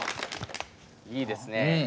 いいですね。